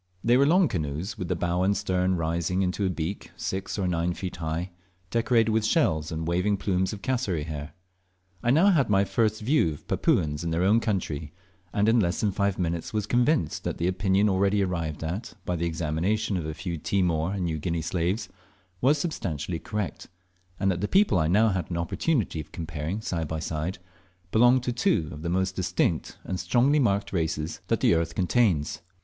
They were long canoes, with the bow and stern rising up into a beak six or night feet high, decorated with shells and waving plumes of cassowaries hair. I now had my first view of Papuans in their own country, and in less than five minutes was convinced that the opinion already arrived at by the examination of a few Timor and New Guinea slaves was substantially correct, and that the people I now had an opportunity of comparing side by side belonged to two of the most distinct and strongly marked races that the earth contains.